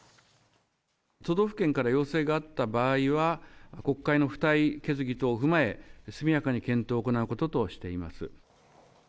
都道府県から要請があった場合は、国会の付帯決議等を踏まえ、速やかに検討を行うこととしています。